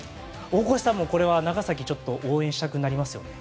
大越さんもこれは長崎、応援したくなりますよね？